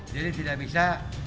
jadi tidak bisa